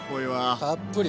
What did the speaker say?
たっぷり。